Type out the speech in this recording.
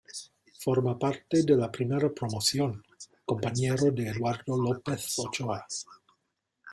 Forma parte de la Primera Promoción, compañero de Eduardo López Ochoa.